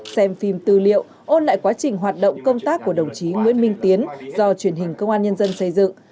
xem phim tư liệu ôn lại quá trình hoạt động công tác của đồng chí nguyễn minh tiến do truyền hình công an nhân dân xây dựng